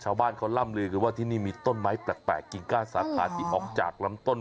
ชาวบ้านเขาล่ำลือกันว่าที่นี่มีต้นไม้แปลกกิ่งก้าสาขาที่ออกจากลำต้น